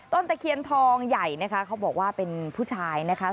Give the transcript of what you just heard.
ตะเคียนทองใหญ่นะคะเขาบอกว่าเป็นผู้ชายนะคะ